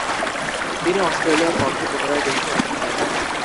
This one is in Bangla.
তিনি অস্ট্রেলিয়ার পক্ষে পুনরায় টেস্টে অংশ নেন।